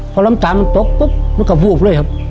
พอลำตามตกมันกระพรูบเลยครับ